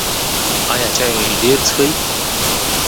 ایا چای ډیر څښئ؟